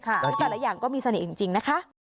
และแต่ละอย่างก็มีเสน่ห์จริงนะคะ